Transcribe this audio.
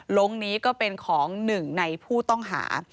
ลงนี้ก็เป็นของหนึ่งในผู้ต้องหา